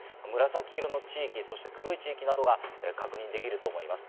紫色の地域、そして黒い地域などが確認できると思います。